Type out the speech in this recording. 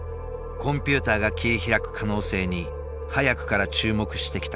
コンピューターが切り開く可能性に早くから注目してきた羽生。